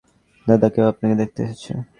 দাদা, কেউ আপনাকে দেখতে এসেছে।